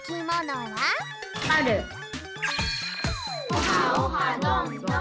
オハオハどんどん！